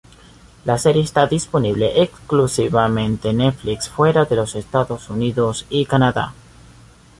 La serie está disponible exclusivamente Netflix fuera de los Estados Unidos y Canadá.